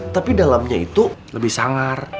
tapi dalamnya itu lebih sangar